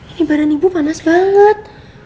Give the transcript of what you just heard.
ini barang ibu panas banget